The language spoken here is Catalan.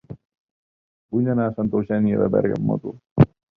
Vull anar a Santa Eugènia de Berga amb moto.